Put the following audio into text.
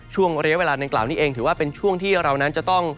ช่วงระยะเวลาดังกล่าวนี้เองถือว่าเป็นช่วงที่เรานั้นจะต้อง